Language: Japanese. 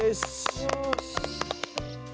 よし。